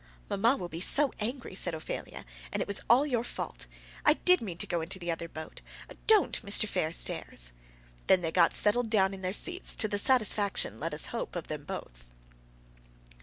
"Mamma will be so angry," said Ophelia, "and it was all your fault. I did mean to go into the other boat. Don't, Mr. Fairstairs." Then they got settled down in their seats, to the satisfaction, let us hope, of them both.